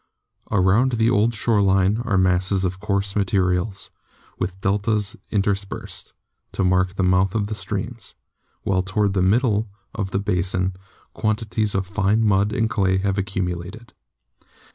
Around the old shore line are masses of coarse materials, with deltas interspersed, to mark the mouths of streams, while toward the middle of the basin quantities of fine mud and clay have accumulated.